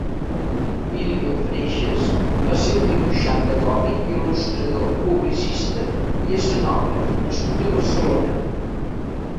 Emilio Freixas va ser un dibuixant de còmic, il·lustrador, publicista i escenògraf nascut a Barcelona.